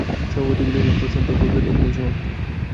সভাপতি বললেন, প্রশ্নোত্তর পর্বের এখানেই সমাপ্তি।